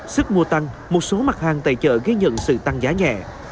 sức mua tăng một số mặt hàng tại chợ ghi nhận sự tăng giá nhẹ